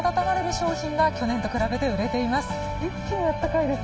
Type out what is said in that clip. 商品が、去年と比べて売れています。